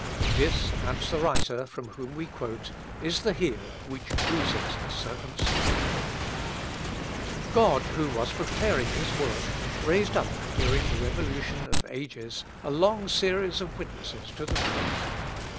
This," adds the writer from whom we quote, "is the heel which bruises the Serpent's head." Luther to Brentius. God, who was preparing his work, raised up during the revolution of ages a long series of witnesses to the truth.